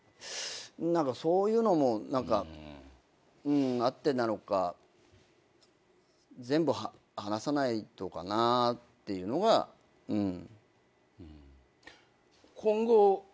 何かそういうのもあってなのか全部話さないとかなっていうのがうん。